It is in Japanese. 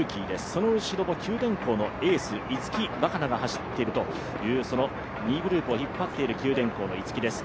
その後ろも九電工のエース、逸木和香菜が走っているという２位グループを引っ張っている九電工の逸木です。